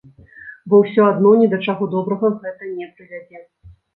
Бо ўсё адно ні да чаго добрага гэта не прывядзе.